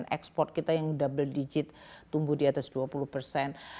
ekspor kita yang double digit tumbuh di atas dua puluh persen